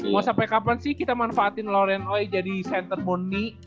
mau sampai kapan sih kita manfaatin loren ooi jadi center muni